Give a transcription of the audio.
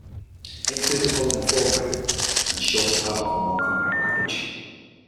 It includes a folding foregrip and shorter barrel for a more compact package.